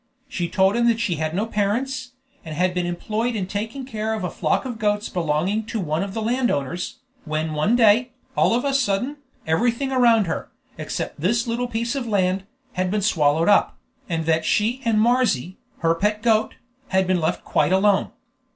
She told him that she had no parents, and had been employed in taking care of a flock of goats belonging to one of the landowners, when one day, all of a sudden, everything around her, except this little piece of land, had been swallowed up, and that she and Marzy, her pet goat, had been left quite alone.